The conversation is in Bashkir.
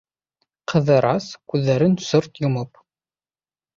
Ҡыҙырас, күҙҙәрен сырт йомоп: